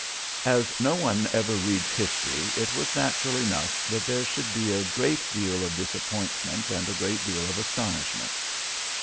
As no one ever reads history, it was natural enough that there should be a great deal of disappointment and a great deal of astonishment.